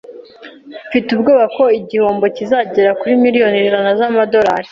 Mfite ubwoba ko igihombo kizagera kuri miliyoni ijana z'amadolari.